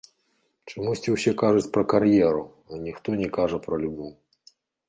Чамусьці ўсе кажуць пра кар'еру, а ніхто не кажа пра любоў.